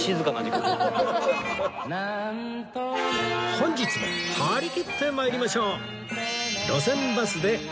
本日も張り切って参りましょう